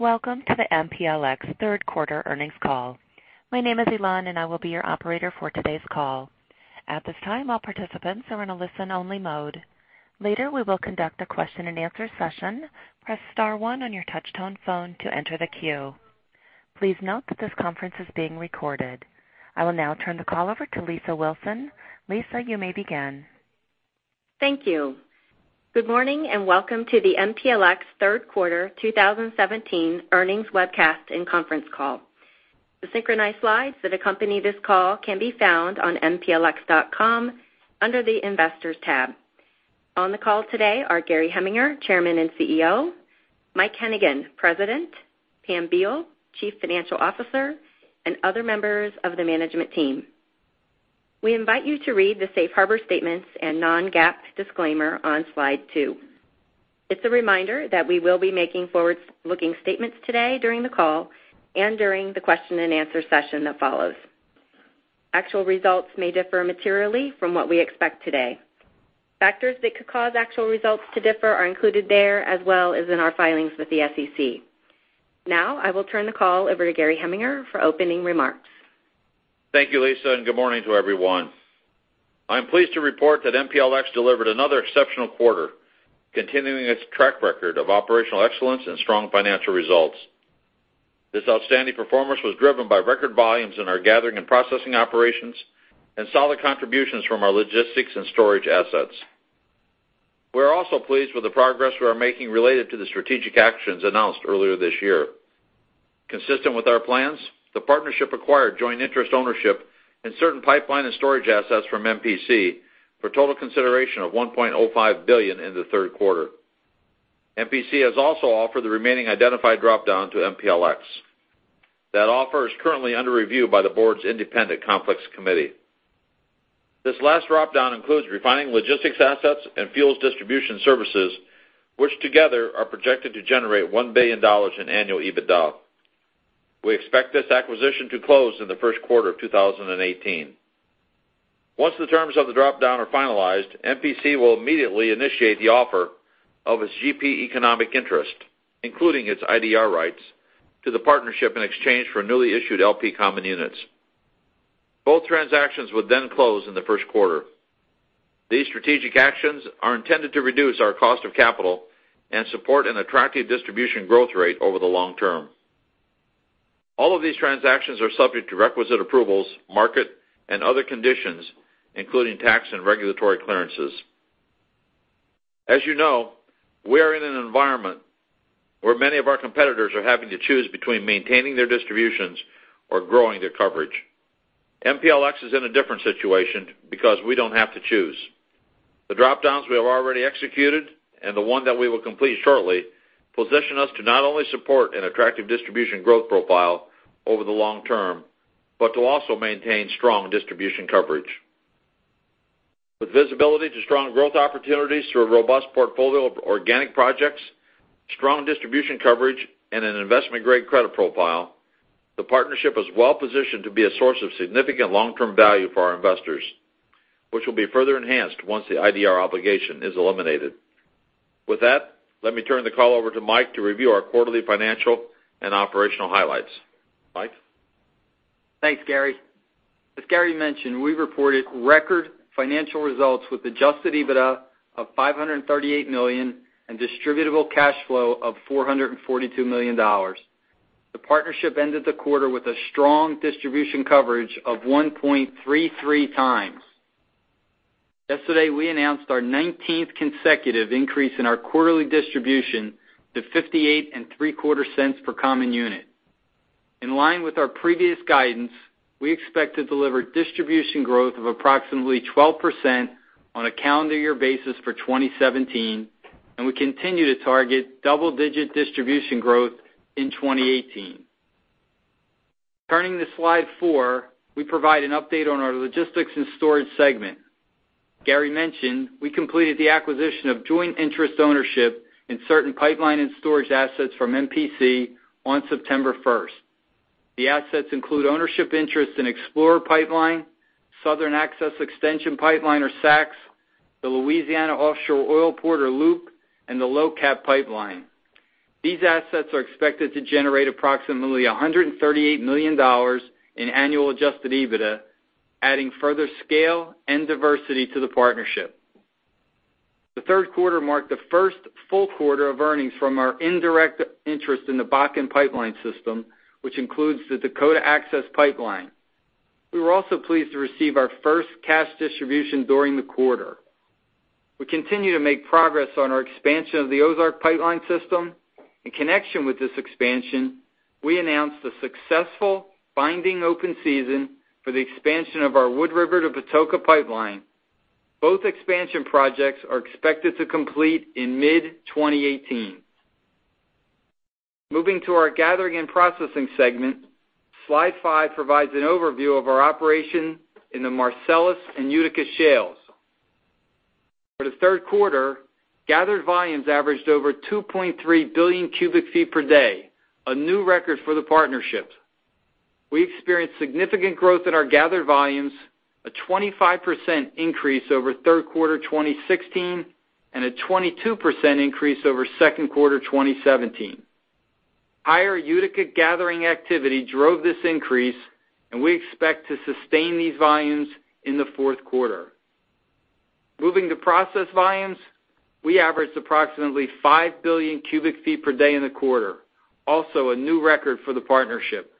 Welcome to the MPLX third quarter earnings call. My name is Elan. I will be your operator for today's call. At this time, all participants are in a listen-only mode. Later, we will conduct a question and answer session. Press star one on your touch-tone phone to enter the queue. Please note that this conference is being recorded. I will now turn the call over to Lisa Wilson. Lisa, you may begin. Thank you. Good morning and welcome to the MPLX third quarter 2017 Earnings Webcast and Conference Call. The synchronized slides that accompany this call can be found on mplx.com under the Investors tab. On the call today are Gary Heminger, Chairman and CEO, Mike Hennigan, President, Pam Beall, Chief Financial Officer, and other members of the management team. We invite you to read the safe harbor statements and non-GAAP disclaimer on Slide two. It's a reminder that we will be making forward-looking statements today during the call and during the question and answer session that follows. Actual results may differ materially from what we expect today. Factors that could cause actual results to differ are included there, as well as in our filings with the SEC. Now, I will turn the call over to Gary Heminger for opening remarks. Thank you, Lisa. Good morning to everyone. I'm pleased to report that MPLX delivered another exceptional quarter, continuing its track record of operational excellence and strong financial results. This outstanding performance was driven by record volumes in our Gathering & Processing operations and solid contributions from our Logistics and Storage assets. We're also pleased with the progress we are making related to the strategic actions announced earlier this year. Consistent with our plans, the partnership acquired joint interest ownership in certain pipeline and storage assets from MPC for a total consideration of $1.05 billion in the third quarter. MPC has also offered the remaining identified drop-down to MPLX. That offer is currently under review by the board's independent conflicts committee. This last drop-down includes refining logistics assets and fuels distribution services, which together are projected to generate $1 billion in annual EBITDA. We expect this acquisition to close in the first quarter of 2018. Once the terms of the drop-down are finalized, MPC will immediately initiate the offer of its GP economic interest, including its IDR rights, to the partnership in exchange for newly issued LP common units. Both transactions would close in the first quarter. These strategic actions are intended to reduce our cost of capital and support an attractive distribution growth rate over the long term. All of these transactions are subject to requisite approvals, market, and other conditions, including tax and regulatory clearances. As you know, we are in an environment where many of our competitors are having to choose between maintaining their distributions or growing their coverage. MPLX is in a different situation because we don't have to choose. The drop-downs we have already executed, and the one that we will complete shortly, position us to not only support an attractive distribution growth profile over the long term, but to also maintain strong distribution coverage. With visibility to strong growth opportunities through a robust portfolio of organic projects, strong distribution coverage, and an investment-grade credit profile, the partnership is well-positioned to be a source of significant long-term value for our investors, which will be further enhanced once the IDR obligation is eliminated. With that, let me turn the call over to Mike to review our quarterly financial and operational highlights. Mike? Thanks, Gary. As Gary mentioned, we reported record financial results with adjusted EBITDA of $538 million and distributable cash flow of $442 million. The partnership ended the quarter with a strong distribution coverage of 1.33 times. Yesterday, we announced our 19th consecutive increase in our quarterly distribution to $0.5875 per common unit. In line with our previous guidance, we expect to deliver distribution growth of approximately 12% on a calendar year basis for 2017, and we continue to target double-digit distribution growth in 2018. Turning to Slide 4, we provide an update on our Logistics and Storage segment. Gary mentioned we completed the acquisition of joint interest ownership in certain pipeline and storage assets from MPC on September 1st. The assets include ownership interest in Explorer Pipeline, Southern Access Extension Pipeline or SAEX, the Louisiana Offshore Oil Port or LOOP, and the LOCAP Pipeline. These assets are expected to generate approximately $138 million in annual adjusted EBITDA, adding further scale and diversity to the partnership. The third quarter marked the first full quarter of earnings from our indirect interest in the Bakken Pipeline System, which includes the Dakota Access Pipeline. We were also pleased to receive our first cash distribution during the quarter. We continue to make progress on our expansion of the Ozark Pipeline system. In connection with this expansion, we announced the successful binding open season for the expansion of our Wood River to Patoka Pipeline. Both expansion projects are expected to complete in mid-2018. Moving to our Gathering and Processing segment. Slide five provides an overview of our operation in the Marcellus and Utica shales. For the third quarter, gathered volumes averaged over 2.3 billion cubic feet per day, a new record for the partnership. We experienced significant growth in our gathered volumes, a 25% increase over third quarter 2016, and a 22% increase over second quarter 2017. Higher Utica gathering activity drove this increase, and we expect to sustain these volumes in the fourth quarter. Moving to process volumes, we averaged approximately five billion cubic feet per day in the quarter, also a new record for the partnership.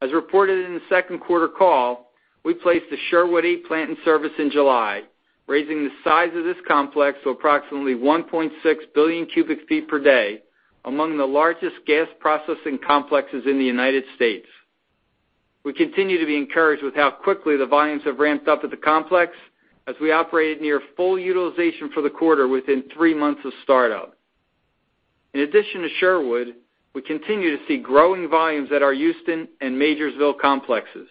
As reported in the second quarter call, we placed the Sherwood A plant in service in July, raising the size of this complex to approximately 1.6 billion cubic feet per day, among the largest gas processing complexes in the U.S. We continue to be encouraged with how quickly the volumes have ramped up at the complex, as we operated near full utilization for the quarter within three months of startup. In addition to Sherwood, we continue to see growing volumes at our Houston and Majorsville complexes.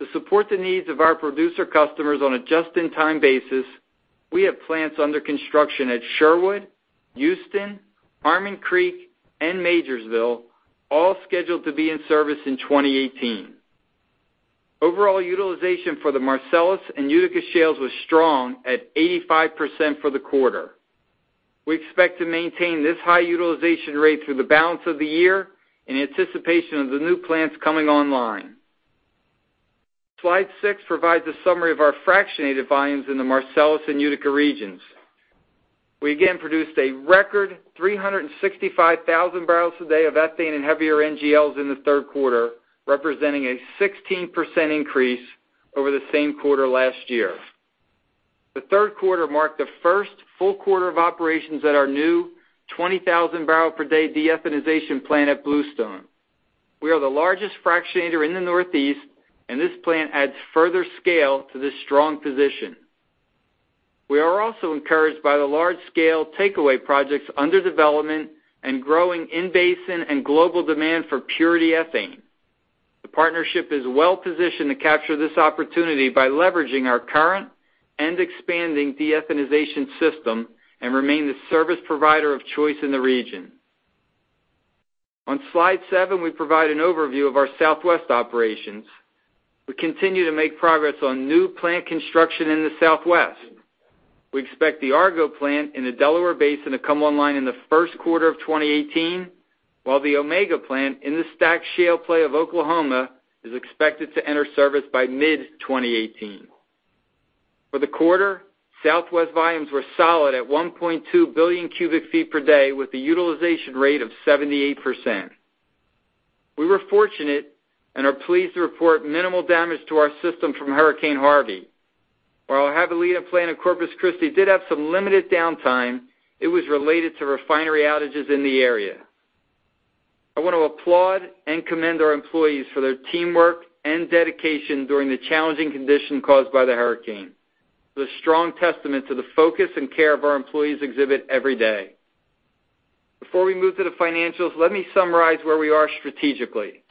To support the needs of our producer customers on a just-in-time basis, we have plants under construction at Sherwood, Houston, Harmon Creek, and Majorsville, all scheduled to be in service in 2018. Overall utilization for the Marcellus and Utica shales was strong at 85% for the quarter. We expect to maintain this high utilization rate through the balance of the year in anticipation of the new plants coming online. Slide six provides a summary of our fractionated volumes in the Marcellus and Utica regions. We again produced a record 365,000 barrels a day of ethane and heavier NGLs in the third quarter, representing a 16% increase over the same quarter last year. The third quarter marked the first full quarter of operations at our new 20,000 barrel per day de-ethanization plant at Bluestone. We are the largest fractionator in the Northeast, this plant adds further scale to this strong position. We are also encouraged by the large-scale takeaway projects under development and growing in-basin and global demand for purity ethane. The partnership is well-positioned to capture this opportunity by leveraging our current and expanding de-ethanization system and remain the service provider of choice in the region. On slide seven, we provide an overview of our Southwest operations. We continue to make progress on new plant construction in the Southwest. We expect the Argo plant in the Delaware Basin to come online in the first quarter of 2018, while the Omega plant in the STACK shale play of Oklahoma is expected to enter service by mid-2018. For the quarter, Southwest volumes were solid at 1.2 billion cubic feet per day with a utilization rate of 78%. We were fortunate and are pleased to report minimal damage to our system from Hurricane Harvey. While our Javelina plant in Corpus Christi did have some limited downtime, it was related to refinery outages in the area. I want to applaud and commend our employees for their teamwork and dedication during the challenging condition caused by the hurricane. It is a strong testament to the focus and care of our employees exhibit every day. Before we move to the financials, let me summarize where we are strategically.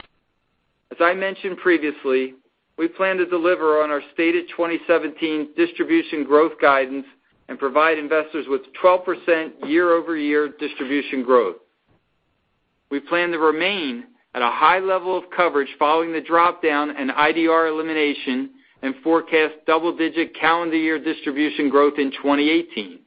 As I mentioned previously, we plan to deliver on our stated 2017 distribution growth guidance and provide investors with 12% year-over-year distribution growth. We plan to remain at a high level of coverage following the drop-down and IDR elimination and forecast double-digit calendar year distribution growth in 2018.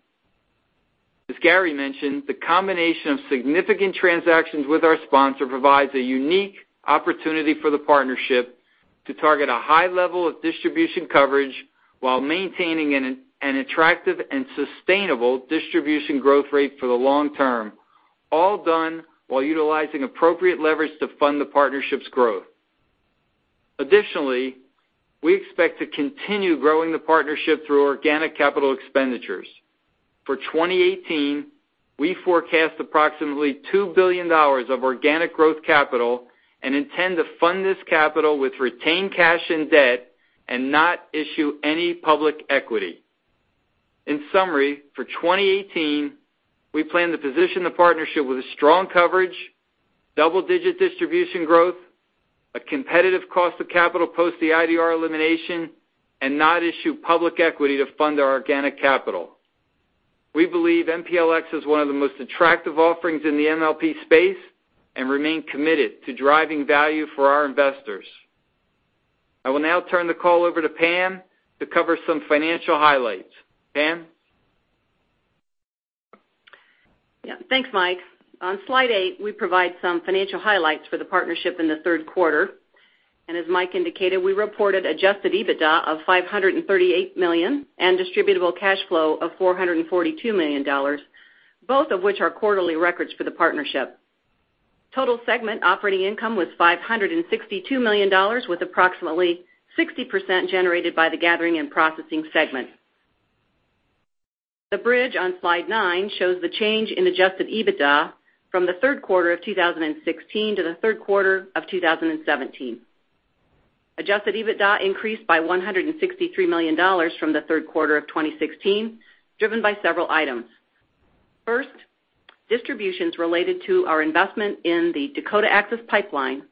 As Gary mentioned, the combination of significant transactions with our sponsor provides a unique opportunity for the partnership to target a high level of distribution coverage while maintaining an attractive and sustainable distribution growth rate for the long term, all done while utilizing appropriate leverage to fund the partnership's growth. Additionally, we expect to continue growing the partnership through organic capital expenditures. For 2018, we forecast approximately $2 billion of organic growth capital and intend to fund this capital with retained cash and debt and not issue any public equity. In summary, for 2018, we plan to position the partnership with a strong coverage, double-digit distribution growth, a competitive cost of capital post the IDR elimination, and not issue public equity to fund our organic capital. We believe MPLX is one of the most attractive offerings in the MLP space and remain committed to driving value for our investors. I will now turn the call over to Pam to cover some financial highlights. Pam? Yeah. Thanks, Mike. On slide eight, we provide some financial highlights for the partnership in the third quarter. As Mike indicated, we reported adjusted EBITDA of $538 million and distributable cash flow of $442 million, both of which are quarterly records for the partnership. Total segment operating income was $562 million, with approximately 60% generated by the Gathering and Processing segment. The bridge on slide nine shows the change in adjusted EBITDA from the third quarter of 2016 to the third quarter of 2017. Adjusted EBITDA increased by $163 million from the third quarter of 2016, driven by several items. First, distributions related to our investment in the Dakota Access Pipeline,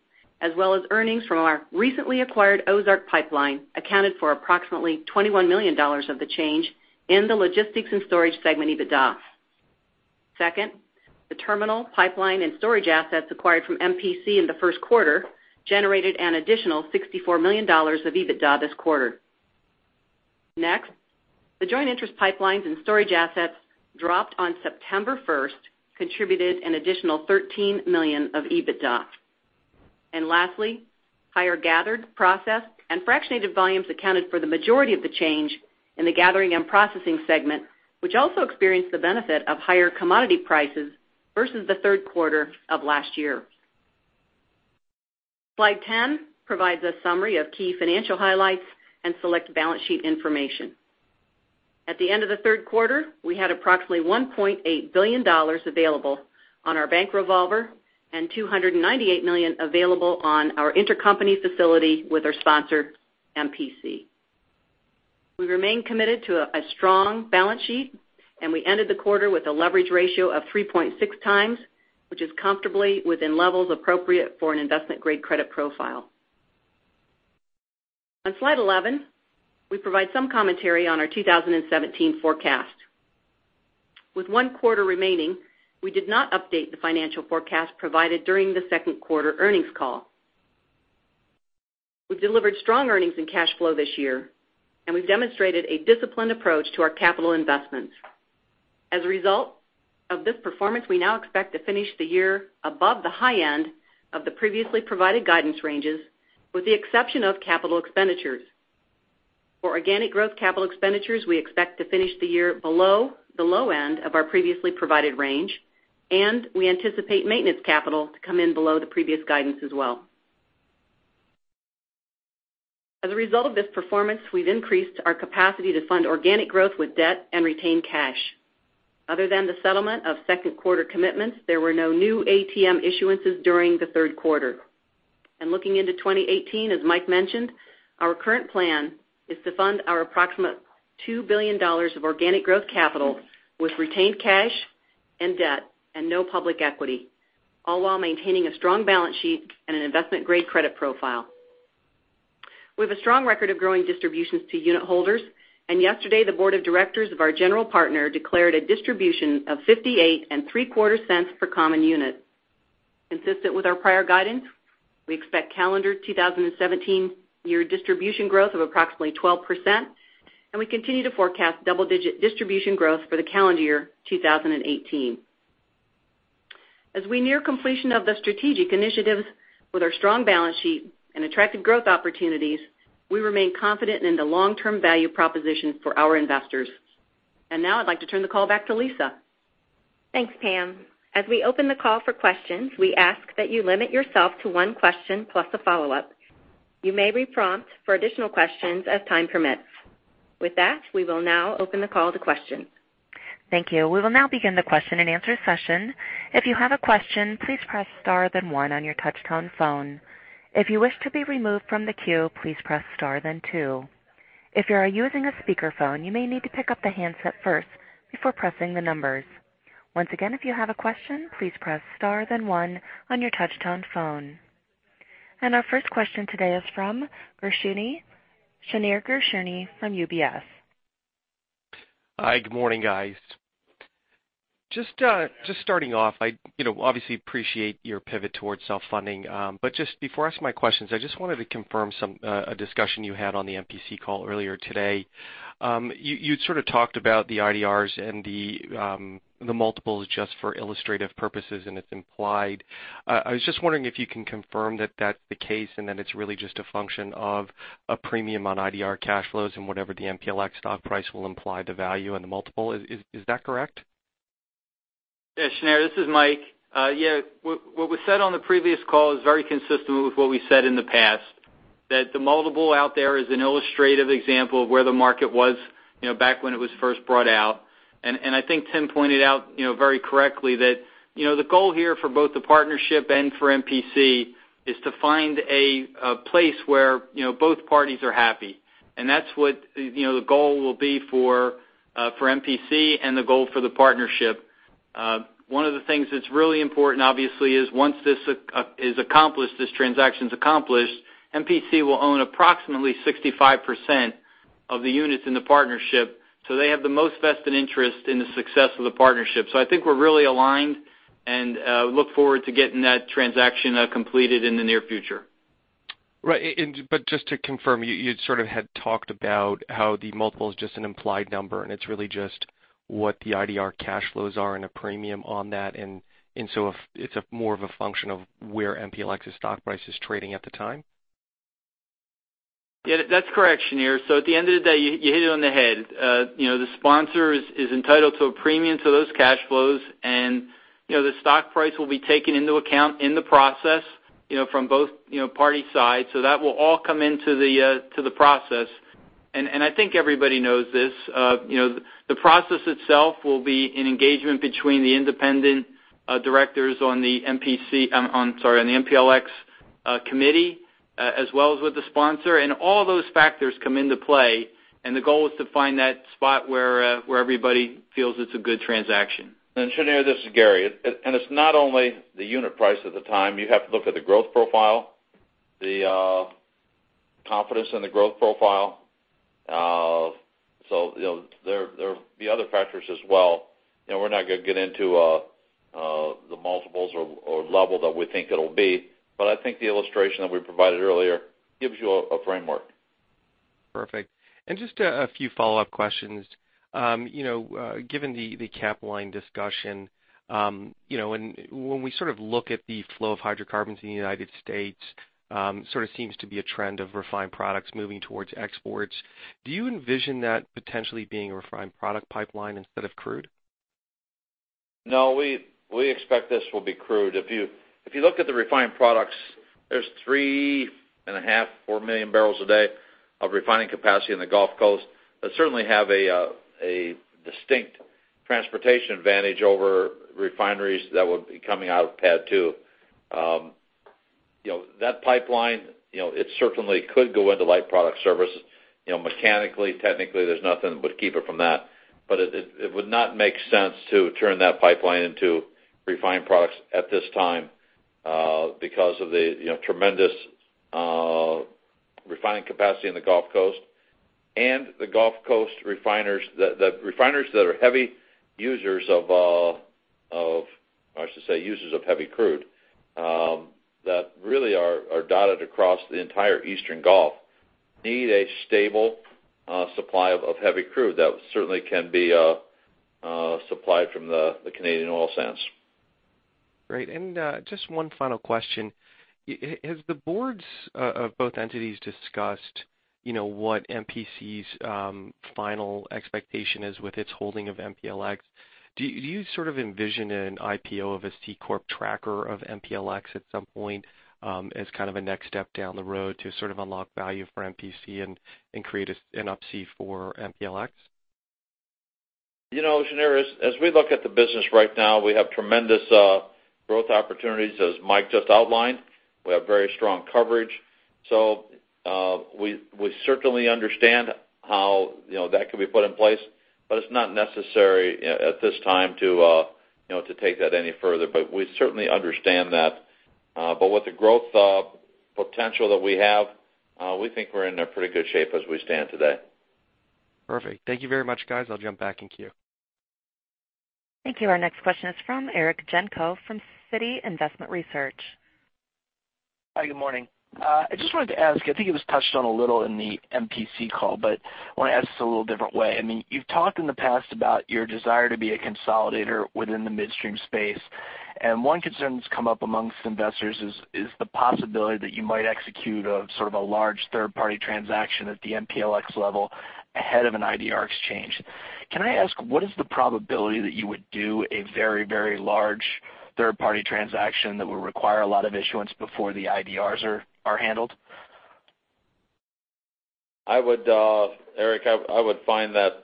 as well as earnings from our recently acquired Ozark Pipeline, accounted for approximately $21 million of the change in the Logistics and Storage segment EBITDA. Second, the terminal pipeline and storage assets acquired from MPC in the first quarter generated an additional $64 million of EBITDA this quarter. Next, the joint interest pipelines and storage assets dropped on September 1st, contributed an additional $13 million of EBITDA. Lastly, higher gathered processed and fractionated volumes accounted for the majority of the change in the Gathering and Processing segment, which also experienced the benefit of higher commodity prices versus the third quarter of last year. Slide 10 provides a summary of key financial highlights and select balance sheet information. At the end of the third quarter, we had approximately $1.8 billion available on our bank revolver and $298 million available on our intercompany facility with our sponsor, MPC. We remain committed to a strong balance sheet. We ended the quarter with a leverage ratio of 3.6 times, which is comfortably within levels appropriate for an investment-grade credit profile. On slide 11, we provide some commentary on our 2017 forecast. With one quarter remaining, we did not update the financial forecast provided during the second quarter earnings call. We've delivered strong earnings and cash flow this year. We've demonstrated a disciplined approach to our capital investments. As a result of this performance, we now expect to finish the year above the high end of the previously provided guidance ranges, with the exception of capital expenditures. For organic growth capital expenditures, we expect to finish the year below the low end of our previously provided range, and we anticipate maintenance capital to come in below the previous guidance as well. As a result of this performance, we've increased our capacity to fund organic growth with debt and retain cash. Other than the settlement of second-quarter commitments, there were no new ATM issuances during the third quarter. Looking into 2018, as Mike mentioned, our current plan is to fund our approximate $2 billion of organic growth capital with retained cash and debt and no public equity, all while maintaining a strong balance sheet and an investment-grade credit profile. We have a strong record of growing distributions to unit holders, yesterday, the board of directors of our general partner declared a distribution of $0.5875 per common unit. Consistent with our prior guidance, we expect calendar 2017 year distribution growth of approximately 12%, we continue to forecast double-digit distribution growth for the calendar year 2018. As we near completion of the strategic initiatives with our strong balance sheet and attractive growth opportunities, we remain confident in the long-term value proposition for our investors. Now I'd like to turn the call back to Lisa. Thanks, Pam. As we open the call for questions, we ask that you limit yourself to one question plus a follow-up. You may be prompted for additional questions as time permits. With that, we will now open the call to questions. Thank you. We will now begin the question-and-answer session. If you have a question, please press star then one on your touch-tone phone. If you wish to be removed from the queue, please press star then two. If you are using a speakerphone, you may need to pick up the handset first before pressing the numbers. Once again, if you have a question, please press star then one on your touch-tone phone. Our first question today is from Shneur Gershuni from UBS. Hi, good morning, guys. Just starting off, I obviously appreciate your pivot towards self-funding. Just before I ask my questions, I just wanted to confirm a discussion you had on the MPC call earlier today. You sort of talked about the IDRs and the multiples just for illustrative purposes. It's implied. I was just wondering if you can confirm that that's the case. That it's really just a function of a premium on IDR cash flows and whatever the MPLX stock price will imply the value and the multiple. Is that correct? Yeah, Shneur, this is Mike. What we said on the previous call is very consistent with what we said in the past, that the multiple out there is an illustrative example of where the market was back when it was first brought out. I think Tim pointed out very correctly that the goal here for both the partnership and for MPC is to find a place where both parties are happy. That's what the goal will be for MPC and the goal for the partnership. One of the things that's really important, obviously, is once this transaction is accomplished, MPC will own approximately 65% of the units in the partnership, so they have the most vested interest in the success of the partnership. I think we're really aligned and look forward to getting that transaction completed in the near future. Right. Just to confirm, you sort of had talked about how the multiple is just an implied number. It's really just what the IDR cash flows are and a premium on that. It's more of a function of where MPLX's stock price is trading at the time? Yeah, that's correct, Shneur. At the end of the day, you hit it on the head. The sponsor is entitled to a premium to those cash flows. The stock price will be taken into account in the process from both party sides. That will all come into the process. I think everybody knows this. The process itself will be an engagement between the independent directors on the MPLX committee, as well as with the sponsor. All those factors come into play. The goal is to find that spot where everybody feels it's a good transaction. Shneur, this is Gary. It's not only the unit price at the time. You have to look at the growth profile, the confidence in the growth profile. There are the other factors as well. We're not going to get into the multiples or level that we think it'll be. I think the illustration that we provided earlier gives you a framework. Perfect. Just a few follow-up questions. Given the Capline discussion, when we look at the flow of hydrocarbons in the U.S., sort of seems to be a trend of refined products moving towards exports. Do you envision that potentially being a refined product pipeline instead of crude? No, we expect this will be crude. You look at the refined products, there's 3.5 million-4 million barrels a day of refining capacity in the Gulf Coast that certainly have a distinct transportation advantage over refineries that would be coming out of PADD 2. That pipeline, it certainly could go into light product service. Mechanically, technically, there's nothing would keep it from that. It would not make sense to turn that pipeline into refined products at this time, because of the tremendous refining capacity in the Gulf Coast and the Gulf Coast refiners, the refiners that are heavy users of heavy crude, that really are dotted across the entire eastern Gulf, need a stable supply of heavy crude that certainly can be supplied from the Canadian oil sands. Great. Just one final question. Has the boards of both entities discussed what MPC's final expectation is with its holding of MPLX? Do you sort of envision an IPO of a C corp tracker of MPLX at some point as kind of a next step down the road to sort of unlock value for MPC and create an Up-C for MPLX? Shneur, as we look at the business right now, we have tremendous growth opportunities, as Mike just outlined. We have very strong coverage. We certainly understand how that could be put in place, but it's not necessary at this time to take that any further. We certainly understand that. With the growth potential that we have, we think we're in a pretty good shape as we stand today. Perfect. Thank you very much, guys. I'll jump back in queue. Thank you. Our next question is from Eric Genco from Citi Investment Research. Hi, good morning. I just wanted to ask, I think it was touched on a little in the MPC call, I want to ask this a little different way. You've talked in the past about your desire to be a consolidator within the midstream space, one concern that's come up amongst investors is the possibility that you might execute a sort of a large third-party transaction at the MPLX level ahead of an IDR exchange. Can I ask, what is the probability that you would do a very large third-party transaction that would require a lot of issuance before the IDRs are handled? Eric, I would find that,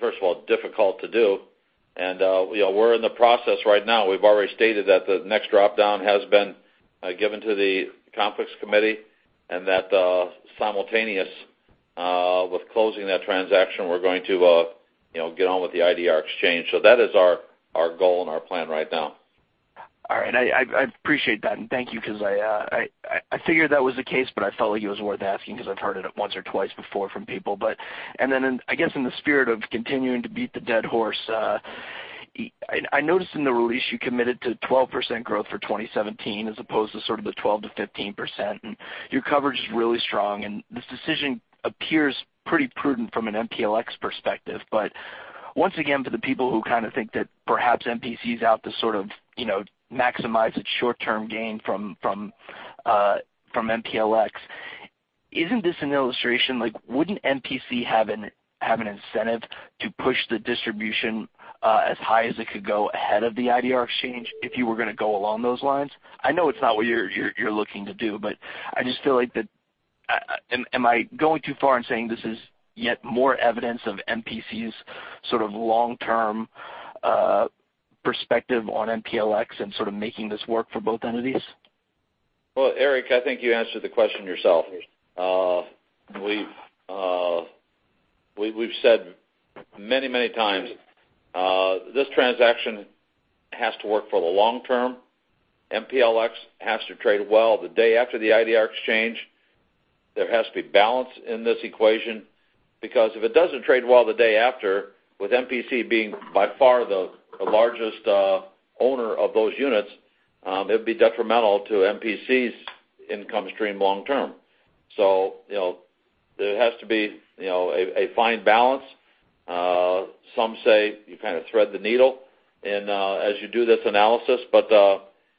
first of all, difficult to do. We're in the process right now. We've already stated that the next drop-down has been given to the conflicts committee, that simultaneous with closing that transaction, we're going to get on with the IDR exchange. That is our goal and our plan right now. All right. I appreciate that, thank you, because I figured that was the case, but I felt like it was worth asking because I've heard it once or twice before from people. Then, I guess in the spirit of continuing to beat the dead horse, I noticed in the release you committed to 12% growth for 2017 as opposed to sort of the 12%-15%, your coverage is really strong, this decision appears pretty prudent from an MPLX perspective. Once again, for the people who kind of think that perhaps MPC is out to maximize its short-term gain from MPLX, isn't this an illustration? Wouldn't MPC have an incentive to push the distribution as high as it could go ahead of the IDR exchange if you were going to go along those lines? I know it's not what you're looking to do, but I just feel like am I going too far in saying this is yet more evidence of MPC's sort of long-term perspective on MPLX and sort of making this work for both entities? Well, Eric, I think you answered the question yourself. We've said many times, this transaction has to work for the long term. MPLX has to trade well the day after the IDR exchange. There has to be balance in this equation, because if it doesn't trade well the day after, with MPC being by far the largest owner of those units, it'd be detrimental to MPC's income stream long term. It has to be a fine balance. Some say you kind of thread the needle as you do this analysis,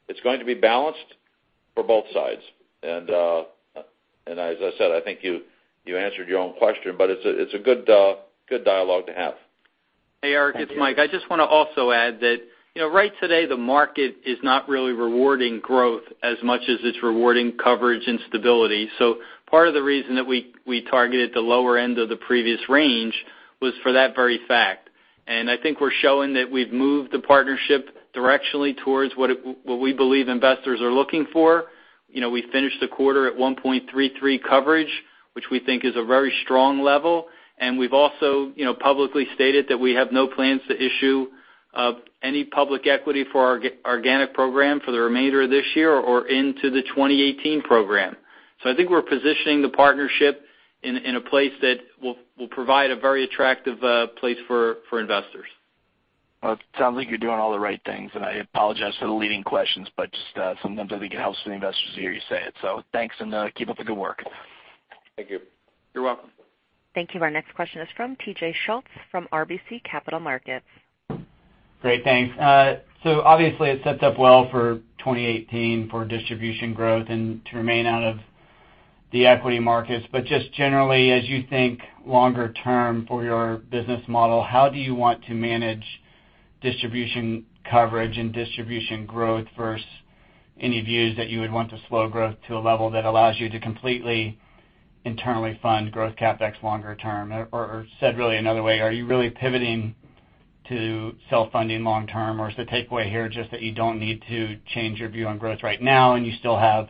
it's going to be balanced for both sides. As I said, I think you answered your own question, it's a good dialogue to have. Thank you. Hey, Eric, it's Mike. I just want to also add that right today, the market is not really rewarding growth as much as it's rewarding coverage and stability. Part of the reason that we targeted the lower end of the previous range was for that very fact. I think we're showing that we've moved the partnership directionally towards what we believe investors are looking for. We finished the quarter at 1.33 coverage. Which we think is a very strong level. We've also publicly stated that we have no plans to issue any public equity for our organic program for the remainder of this year or into the 2018 program. I think we're positioning the partnership in a place that will provide a very attractive place for investors. Well, it sounds like you're doing all the right things, and I apologize for the leading questions, but just sometimes I think it helps the investors to hear you say it. Thanks, and keep up the good work. Thank you. You're welcome. Thank you. Our next question is from T.J. Schultz from RBC Capital Markets. Great, thanks. Obviously, it's set up well for 2018 for distribution growth and to remain out of the equity markets. Just generally, as you think longer term for your business model, how do you want to manage distribution coverage and distribution growth versus any views that you would want to slow growth to a level that allows you to completely internally fund growth CapEx longer term? Said really another way, are you really pivoting to self-funding long term, or is the takeaway here just that you don't need to change your view on growth right now, and you still have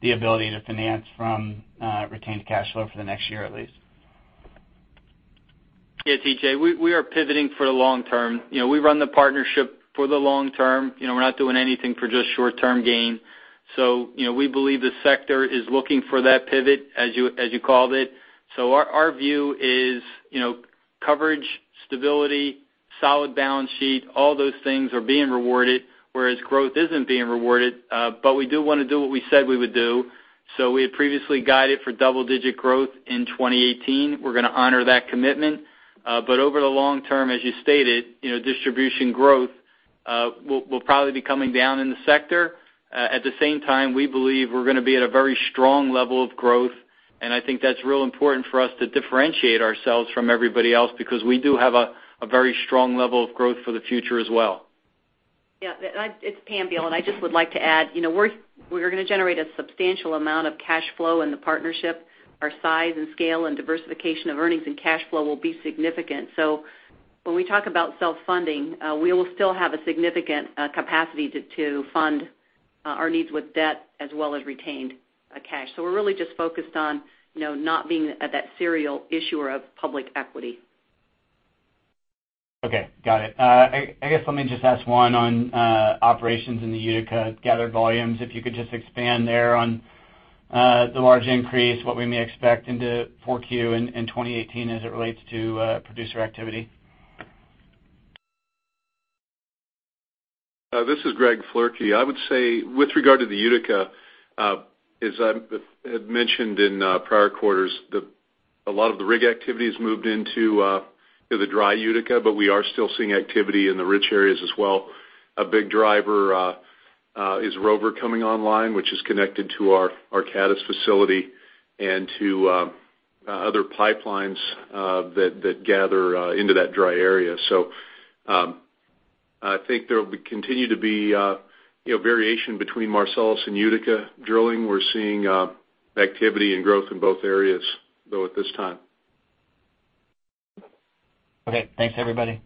the ability to finance from retained cash flow for the next year, at least? Yeah, T.J., we are pivoting for the long term. We run the partnership for the long term. We're not doing anything for just short-term gain. We believe the sector is looking for that pivot, as you called it. Our view is coverage, stability, solid balance sheet, all those things are being rewarded, whereas growth isn't being rewarded. We do want to do what we said we would do. We had previously guided for double-digit growth in 2018. We're going to honor that commitment. Over the long term, as you stated, distribution growth will probably be coming down in the sector. At the same time, we believe we're going to be at a very strong level of growth. I think that's real important for us to differentiate ourselves from everybody else, because we do have a very strong level of growth for the future as well. Yeah. It's Pam Beall. I just would like to add, we're going to generate a substantial amount of cash flow in the partnership. Our size and scale and diversification of earnings and cash flow will be significant. When we talk about self-funding, we will still have a significant capacity to fund our needs with debt as well as retained cash. We're really just focused on not being that serial issuer of public equity. Okay, got it. I guess let me just ask one on operations in the Utica gathered volumes, if you could just expand there on the large increase, what we may expect into 4Q and 2018 as it relates to producer activity. This is Greg Floerke. I would say with regard to the Utica, as I had mentioned in prior quarters, a lot of the rig activity has moved into the dry Utica. We are still seeing activity in the rich areas as well. A big driver is Rover coming online, which is connected to our Cadiz facility and to other pipelines that gather into that dry area. I think there will continue to be variation between Marcellus and Utica drilling. We are seeing activity and growth in both areas, though, at this time. Okay. Thanks, everybody.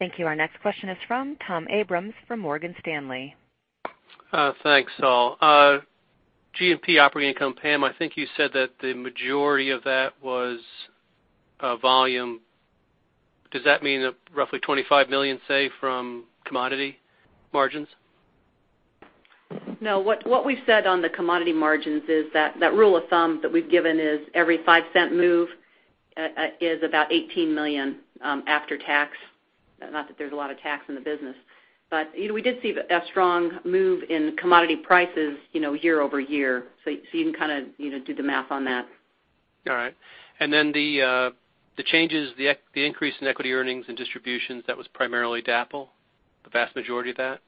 Thank you. Our next question is from Tom Abrams from Morgan Stanley. Thanks, all. G&P operating income, Pam, I think you said that the majority of that was volume. Does that mean roughly $25 million, say, from commodity margins? No. What we've said on the commodity margins is that rule of thumb that we've given is every $0.05 move is about $18 million after tax. Not that there's a lot of tax in the business. We did see a strong move in commodity prices year-over-year. You can kind of do the math on that. All right. The changes, the increase in equity earnings and distributions, that was primarily DAPL? The vast majority of that?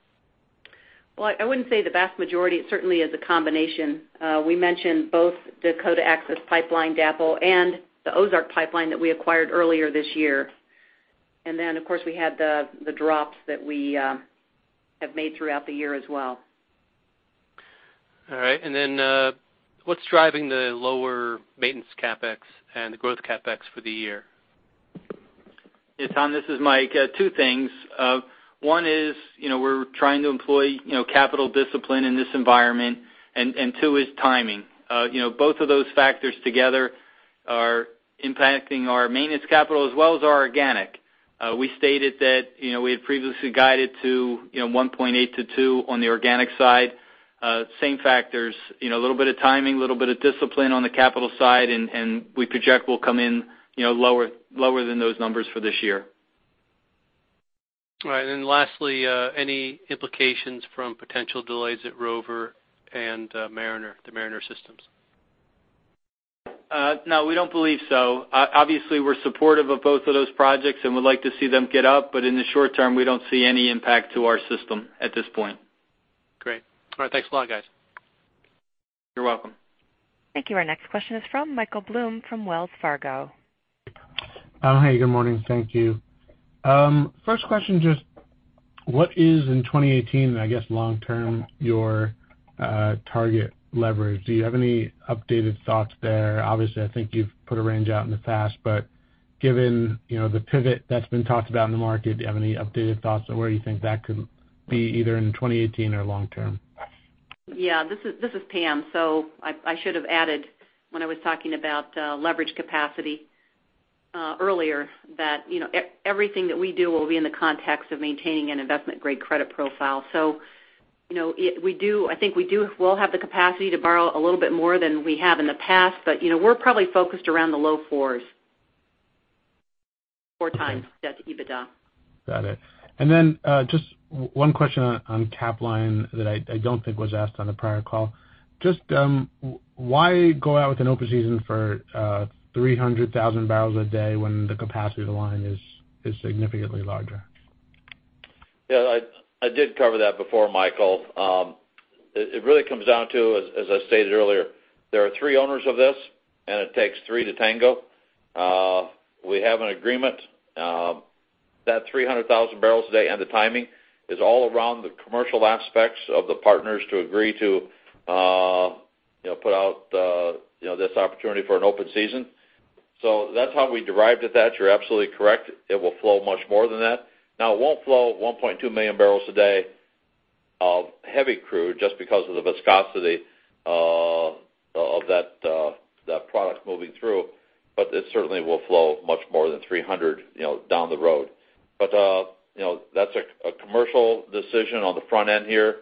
Well, I wouldn't say the vast majority. It certainly is a combination. We mentioned both Dakota Access Pipeline, DAPL, and the Ozark Pipeline that we acquired earlier this year. Of course, we had the drops that we have made throughout the year as well. All right. What's driving the lower maintenance CapEx and the growth CapEx for the year? Yes, Tom, this is Mike. Two things. One is we're trying to employ capital discipline in this environment, and two is timing. Both of those factors together are impacting our maintenance capital as well as our organic. We stated that we had previously guided to 1.8-2 on the organic side. Same factors, a little bit of timing, little bit of discipline on the capital side, we project we'll come in lower than those numbers for this year. All right. Lastly, any implications from potential delays at Rover and the Mariner systems? No, we don't believe so. Obviously, we're supportive of both of those projects, and we'd like to see them get up, but in the short term, we don't see any impact to our system at this point. Great. All right. Thanks a lot, guys. You're welcome. Thank you. Our next question is from Michael Blum from Wells Fargo. Hi, good morning. Thank you. First question, just what is, in 2018, and I guess long term, your target leverage? Do you have any updated thoughts there? Obviously, I think you've put a range out in the past, but Given the pivot that's been talked about in the market, do you have any updated thoughts on where you think that could be either in 2018 or long term? This is Pam. I should have added when I was talking about leverage capacity earlier that everything that we do will be in the context of maintaining an investment-grade credit profile. I think we'll have the capacity to borrow a little bit more than we have in the past, but we're probably focused around the low fours. Four times debt to EBITDA. Got it. Just one question on Capline that I don't think was asked on the prior call. Just why go out with an open season for 300,000 barrels a day when the capacity of the line is significantly larger? I did cover that before, Michael. It really comes down to, as I stated earlier, there are three owners of this, and it takes three to tango. We have an agreement. That 300,000 barrels a day and the timing is all around the commercial aspects of the partners to agree to put out this opportunity for an open season. That's how we derived at that. You're absolutely correct. It will flow much more than that. Now, it won't flow 1.2 million barrels a day of heavy crude just because of the viscosity of that product moving through. It certainly will flow much more than 300 down the road. That's a commercial decision on the front end here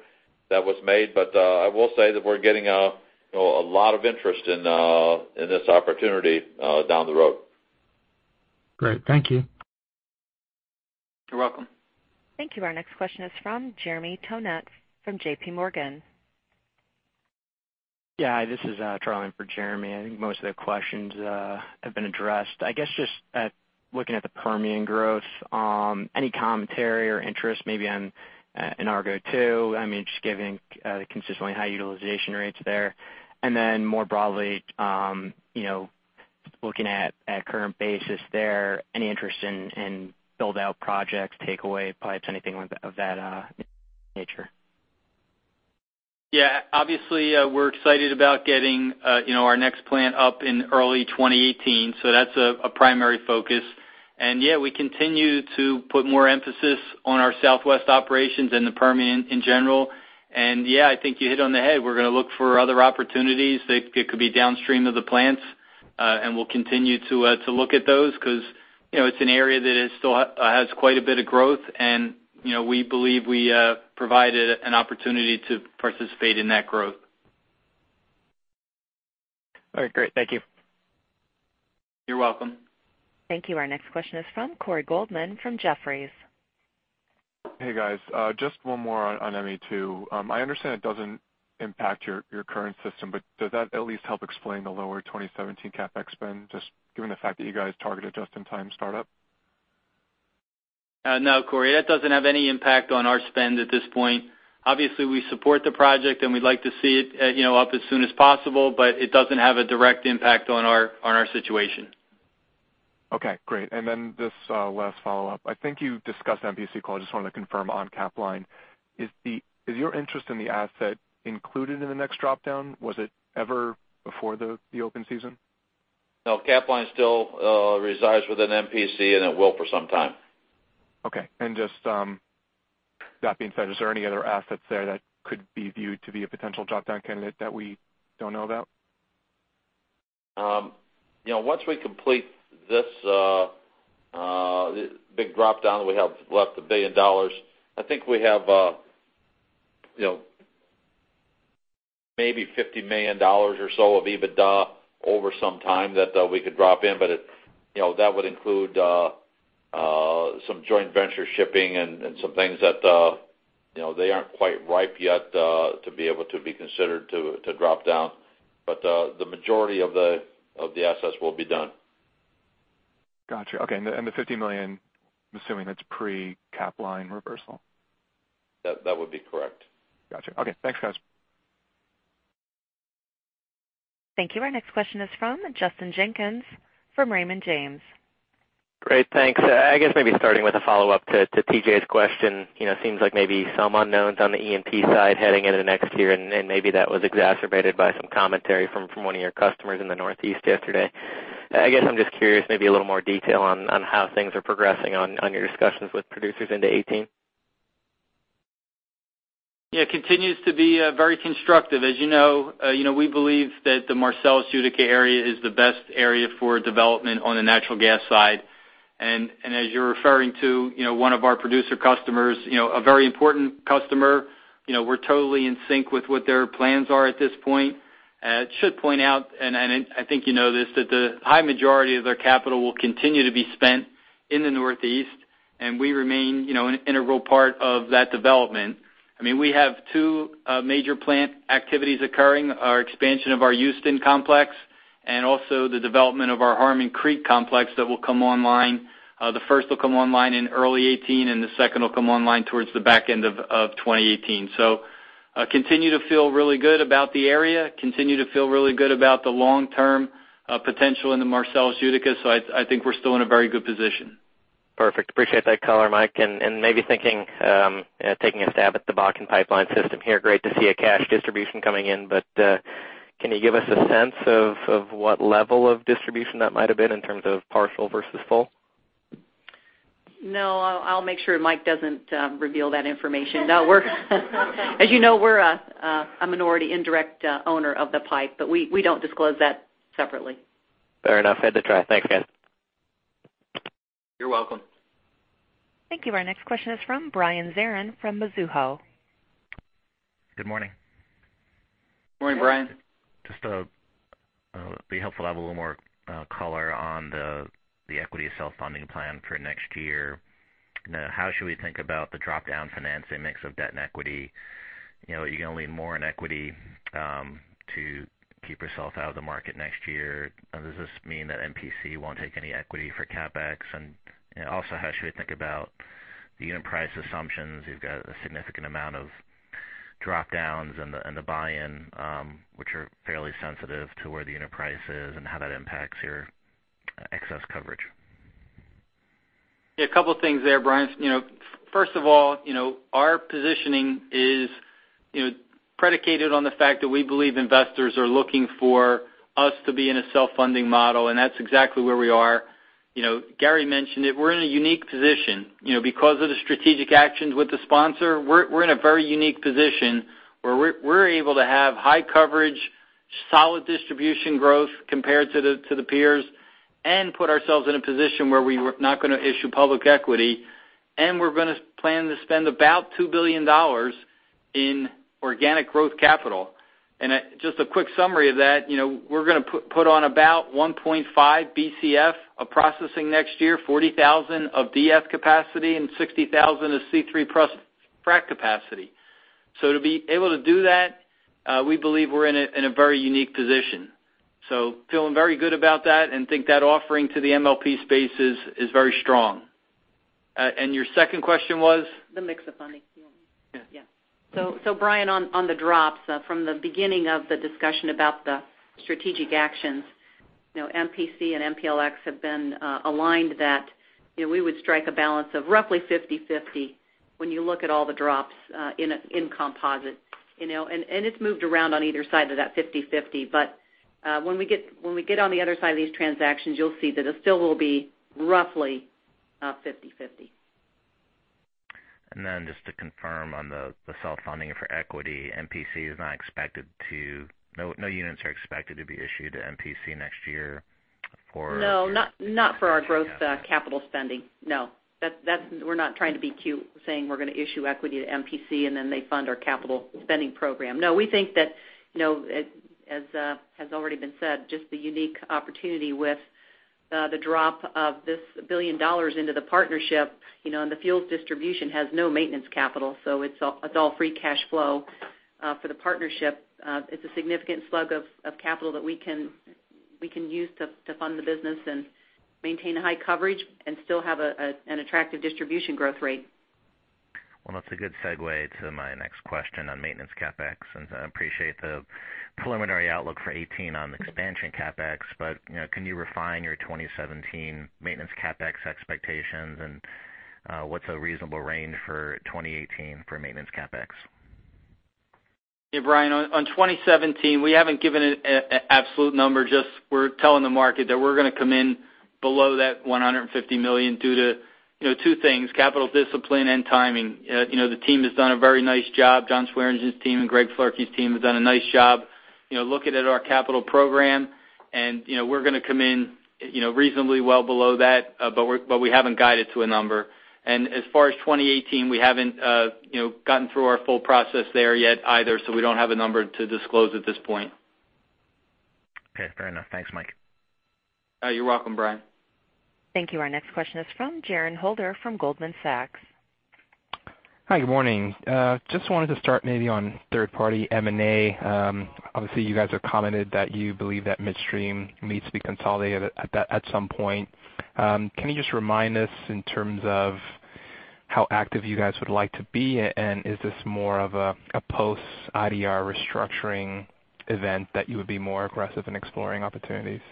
that was made. I will say that we're getting a lot of interest in this opportunity down the road. Great. Thank you. You're welcome. Thank you. Our next question is from Jeremy Tonet from J.P. Morgan. Yeah. Hi, this is Charlie in for Jeremy. I think most of the questions have been addressed. I guess just at looking at the Permian growth, any commentary or interest maybe on Argo 2? I mean, just giving consistently high utilization rates there. Then more broadly, looking at current basis there, any interest in build-out projects, takeaway pipes, anything of that nature? Yeah, obviously, we're excited about getting our next plant up in early 2018. That's a primary focus. Yeah, we continue to put more emphasis on our Southwest operations and the Permian in general. Yeah, I think you hit it on the head. We're going to look for other opportunities. It could be downstream of the plants, and we'll continue to look at those because it's an area that still has quite a bit of growth and we believe we provide an opportunity to participate in that growth. All right, great. Thank you. You're welcome. Thank you. Our next question is from Corey Goldman from Jefferies. Hey, guys. Just one more on ME2. I understand it doesn't impact your current system, but does that at least help explain the lower 2017 CapEx spend, just given the fact that you guys targeted just-in-time startup? No, Corey. That doesn't have any impact on our spend at this point. Obviously, we support the project and we'd like to see it up as soon as possible, but it doesn't have a direct impact on our situation. Okay, great. Then this last follow-up. I think you discussed MPC call. I just wanted to confirm on Capline. Is your interest in the asset included in the next drop-down? Was it ever before the open season? No, Capline still resides within MPC, and it will for some time. Okay. Just that being said, is there any other assets there that could be viewed to be a potential drop-down candidate that we don't know about? Once we complete this big drop-down that we have left, $1 billion, I think we have maybe $50 million or so of EBITDA over some time that we could drop in, but that would include some joint venture shipping and some things that they aren't quite ripe yet to be able to be considered to drop down. The majority of the assets will be done. Got you. Okay. The $50 million, I'm assuming that's pre-Capline reversal. That would be correct. Got you. Okay, thanks, guys. Thank you. Our next question is from Justin Jenkins from Raymond James. Great, thanks. Maybe starting with a follow-up to T.J.'s question. Seems like maybe some unknowns on the E&P side heading into next year. Maybe that was exacerbated by some commentary from one of your customers in the Northeast yesterday. I guess I'm just curious, maybe a little more detail on how things are progressing on your discussions with producers into '18. Yeah. Continues to be very constructive. As you know, we believe that the Marcellus Utica area is the best area for development on the natural gas side. As you're referring to one of our producer customers, a very important customer, we're totally in sync with what their plans are at this point. I should point out, I think you know this, that the high majority of their capital will continue to be spent in the Northeast. We remain an integral part of that development. We have two major plant activities occurring, our expansion of our Houston complex and also the development of our Harmon Creek complex that will come online. The first will come online in early 2018, and the second will come online towards the back end of 2018. Continue to feel really good about the area, continue to feel really good about the long-term potential in the Marcellus Utica. I think we're still in a very good position. Perfect. Appreciate that color, Mike. Maybe thinking, taking a stab at the Bakken Pipeline System here. Great to see a cash distribution coming in, can you give us a sense of what level of distribution that might have been in terms of partial versus full? No, I'll make sure Mike doesn't reveal that information. As you know, we're a minority indirect owner of the pipe, we don't disclose that separately. Fair enough. Had to try. Thanks, guys. You're welcome. Thank you. Our next question is from Brian Zerin from Mizuho. Good morning. Morning, Brian. Just thought it'd be helpful to have a little more color on the equity self-funding plan for next year. How should we think about the drop-down financing mix of debt and equity? Are you going to lean more on equity to keep yourself out of the market next year? Does this mean that MPC won't take any equity for CapEx? How should we think about the unit price assumptions? You've got a significant amount of drop-downs and the buy-in, which are fairly sensitive to where the unit price is and how that impacts your excess coverage. A couple things there, Brian. First of all, our positioning is predicated on the fact that we believe investors are looking for us to be in a self-funding model, and that's exactly where we are. Gary mentioned it. We're in a unique position. Because of the strategic actions with the sponsor, we're in a very unique position where we're able to have high coverage, solid distribution growth compared to the peers and put ourselves in a position where we're not going to issue public equity, and we're going to plan to spend about $2 billion in organic growth capital. Just a quick summary of that, we're going to put on about 1.5 BCF of processing next year, 40,000 of de-ethanization capacity and 60,000 of C3 frac capacity. To be able to do that, we believe we're in a very unique position. Feeling very good about that and think that offering to the MLP space is very strong. Your second question was? The mix of funding. Yeah. Brian, on the drops, from the beginning of the discussion about the strategic actions, MPC and MPLX have been aligned that we would strike a balance of roughly 50/50 when you look at all the drops in composite. It's moved around on either side of that 50/50. When we get on the other side of these transactions, you'll see that it still will be roughly 50/50. Just to confirm on the self-funding for equity, no units are expected to be issued to MPC next year for- No, not for our growth capital spending. No. We're not trying to be cute saying we're going to issue equity to MPC and then they fund our capital spending program. No, we think that, as has already been said, just the unique opportunity with the drop of this $1 billion into the partnership, and the fields distribution has no maintenance capital, so it's all free cash flow for the partnership. It's a significant slug of capital that we can use to fund the business and maintain a high coverage and still have an attractive distribution growth rate. Well, that's a good segue to my next question on maintenance CapEx. I appreciate the preliminary outlook for 2018 on expansion CapEx, but can you refine your 2017 maintenance CapEx expectations? What's a reasonable range for 2018 for maintenance CapEx? Yeah, Brian, on 2017, we haven't given an absolute number, just we're telling the market that we're going to come in below that $150 million due to two things, capital discipline and timing. The team has done a very nice job. John Swearingen's team and Greg Floerke's team has done a nice job looking at our capital program, and we're going to come in reasonably well below that, but we haven't guided to a number. As far as 2018, we haven't gotten through our full process there yet either, so we don't have a number to disclose at this point. Okay, fair enough. Thanks, Mike. You're welcome, Brian. Thank you. Our next question is from Jerren Holder from Goldman Sachs. Hi, good morning. Just wanted to start maybe on third-party M&A. Obviously, you guys have commented that you believe that midstream needs to be consolidated at some point. Can you just remind us in terms of how active you guys would like to be? Is this more of a post-IDR restructuring event that you would be more aggressive in exploring opportunities?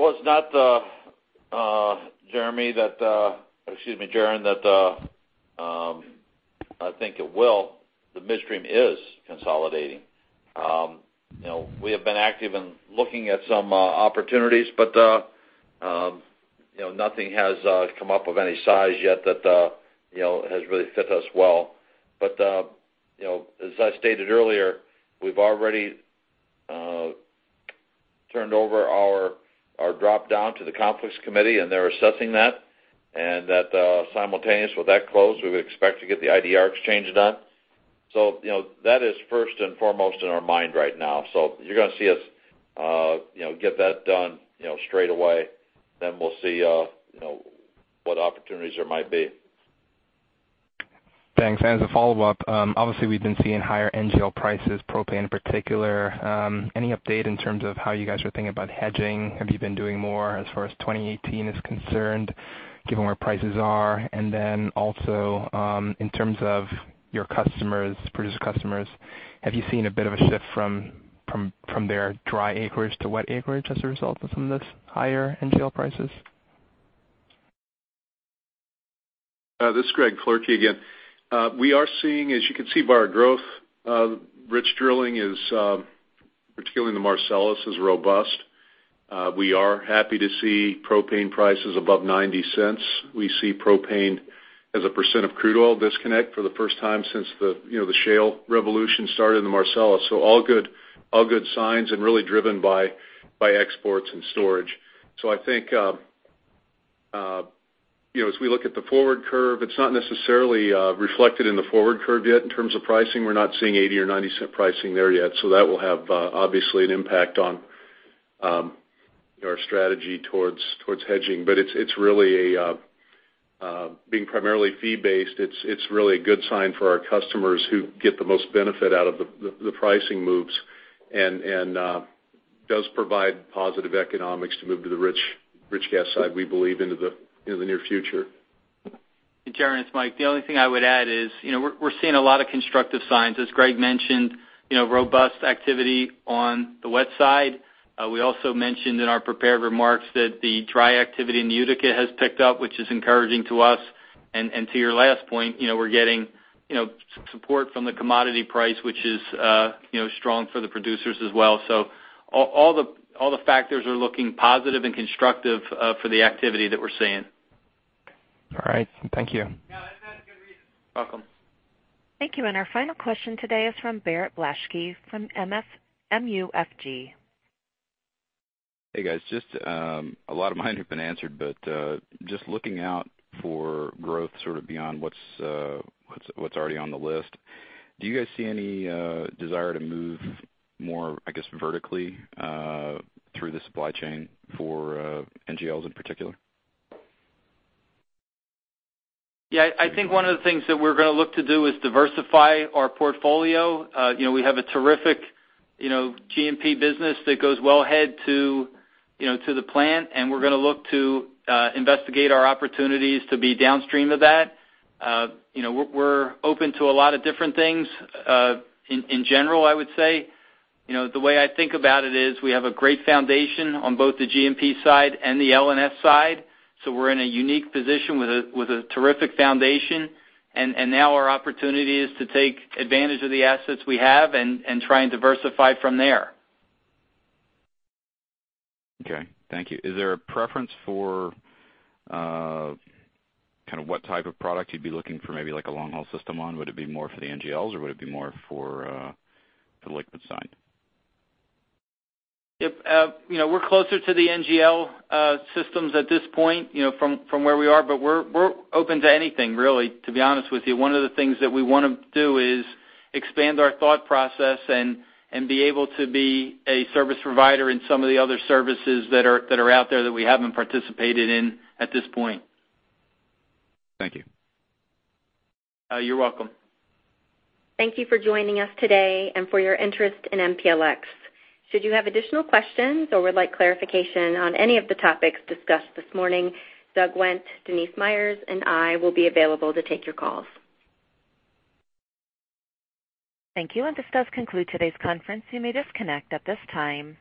It's not, Jerren, that I think it will. The midstream is consolidating. We have been active in looking at some opportunities, nothing has come up of any size yet that has really fit us well. As I stated earlier, we've already turned over our drop down to the conflicts committee, and they're assessing that. That simultaneous with that close, we would expect to get the IDR exchange done. That is first and foremost in our mind right now. You're going to see us get that done straight away, then we'll see what opportunities there might be. Thanks. As a follow-up, obviously we've been seeing higher NGL prices, propane in particular. Any update in terms of how you guys are thinking about hedging? Have you been doing more as far as 2018 is concerned, given where prices are? Also, in terms of your producer customers, have you seen a bit of a shift From their dry acreage to wet acreage as a result of some of this higher NGL prices? This is Greg Floerke again. We are seeing, as you can see by our growth, rich drilling, particularly in the Marcellus, is robust. We are happy to see propane prices above $0.90. We see propane as a % of crude oil disconnect for the first time since the shale revolution started in the Marcellus. All good signs and really driven by exports and storage. I think, as we look at the forward curve, it's not necessarily reflected in the forward curve yet in terms of pricing. We're not seeing $0.80 or $0.90 pricing there yet. That will have, obviously, an impact on our strategy towards hedging. Being primarily fee-based, it's really a good sign for our customers who get the most benefit out of the pricing moves and does provide positive economics to move to the rich gas side, we believe, in the near future. Jerren, it's Mike. The only thing I would add is, we're seeing a lot of constructive signs. As Greg mentioned, robust activity on the wet side. We also mentioned in our prepared remarks that the dry activity in Utica has picked up, which is encouraging to us. To your last point, we're getting support from the commodity price, which is strong for the producers as well. All the factors are looking positive and constructive for the activity that we're seeing. All right. Thank you. Yeah, that's a good read. Welcome. Thank you. Our final question today is from Barrett Blaschke from MUFG. Hey, guys. A lot of mine have been answered. Just looking out for growth sort of beyond what's already on the list, do you guys see any desire to move more, I guess, vertically through the supply chain for NGLs in particular? Yeah. I think one of the things that we're going to look to do is diversify our portfolio. We have a terrific G&P business that goes well ahead to the plant, and we're going to look to investigate our opportunities to be downstream of that. We're open to a lot of different things. In general, I would say, the way I think about it is we have a great foundation on both the G&P side and the L&S side, so we're in a unique position with a terrific foundation, and now our opportunity is to take advantage of the assets we have and try and diversify from there. Okay. Thank you. Is there a preference for kind of what type of product you'd be looking for, maybe like a long-haul system on? Would it be more for the NGLs, or would it be more for the liquid side? We're closer to the NGL systems at this point from where we are, but we're open to anything, really, to be honest with you. One of the things that we want to do is expand our thought process and be able to be a service provider in some of the other services that are out there that we haven't participated in at this point. Thank you. You're welcome. Thank you for joining us today and for your interest in MPLX. Should you have additional questions or would like clarification on any of the topics discussed this morning, Doug Wendt, Denice Myers, and I will be available to take your calls. Thank you, and this does conclude today's conference. You may disconnect at this time.